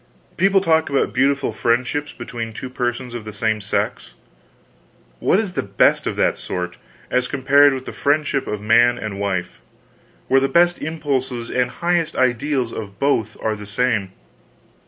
People talk about beautiful friendships between two persons of the same sex. What is the best of that sort, as compared with the friendship of man and wife, where the best impulses and highest ideals of both are the same?